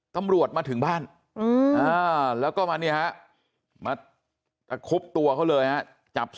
ตำรวจมาถึงบ้านแล้วก็เขาครบตัวเลยนะจับใส่กุญแจมือ